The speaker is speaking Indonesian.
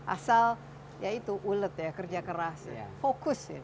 asal ya itu ulet ya kerja keras fokus